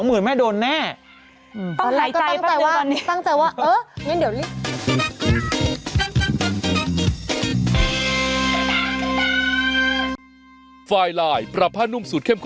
มันนี่เดี๋ยวรีบ